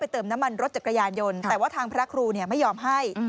เติมน้ำมันรถจักรยานยนต์แต่ว่าทางพระครูไม่ยอมให้